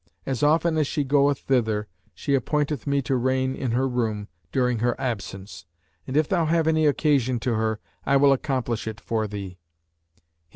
As often as she goeth thither, she appointeth me to reign in her room, during her absence; and if thou have any occasion to her, I will accomplish it for thee.'